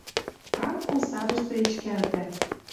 Карп колсадышты йӹчкӓлтӓ